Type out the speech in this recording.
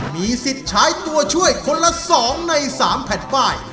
มีสิทธิ์ใช้ตัวช่วยคนละ๒ใน๓แผ่นป้าย